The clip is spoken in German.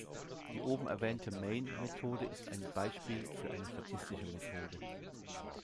Die oben erwähnte "main"-Methode ist ein Beispiel für eine statische Methode.